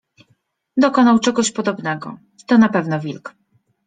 dokonał czegoś podobnego. To na pewno wilk.